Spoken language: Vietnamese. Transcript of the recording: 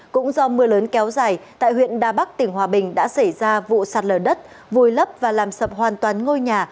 cũng do mưa lớn kéo dài tại huyện đà bắc tỉnh hòa bình đã xảy ra vụ sạt lở đất vùi lấp và làm sập hoàn toàn ngôi nhà